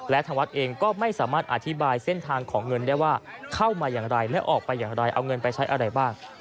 และทางวัดเองก็ไม่สามารถอธิบายเส้นทางของเงินได้ว่าเข้ามาอย่างไรและออกไปอย่างไรเอาเงินไปใช้อะไรบ้าง